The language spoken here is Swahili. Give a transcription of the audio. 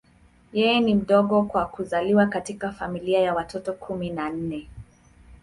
Yeye ni mdogo kwa kuzaliwa katika familia ya watoto kumi na nne.